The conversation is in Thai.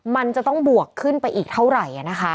มันจะต้องบวกขึ้นไปอีกเท่าไหร่